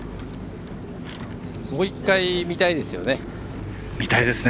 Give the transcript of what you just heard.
もう１回、見たいですね。